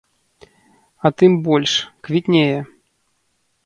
А тым больш, квітнее.